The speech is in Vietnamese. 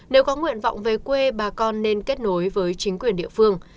nếu có nguyện vọng về quê bà con nên kết nối với chính quyền địa phương